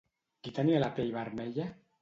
Qui tenia la pell vermella?